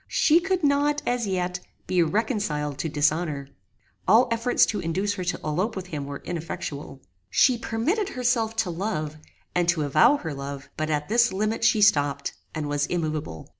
She could not, as yet, be reconciled to dishonor. All efforts to induce her to elope with him were ineffectual. She permitted herself to love, and to avow her love; but at this limit she stopped, and was immoveable.